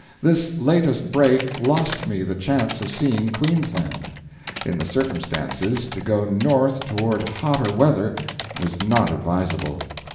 This latest break lost me the chance of seeing Queensland. In the circumstances, to go north toward hotter weather was not advisable.